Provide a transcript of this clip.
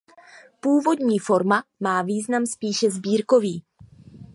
Původní forma má význam spíše sbírkový.